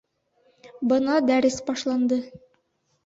Бына дәрес башланды.